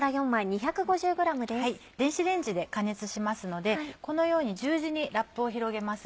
電子レンジで加熱しますのでこのように十字にラップを広げます。